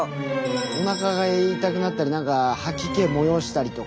おなかが痛くなったり何か吐き気をもよおしたりとか。